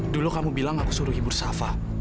dulu kamu bilang aku suruh ibur sava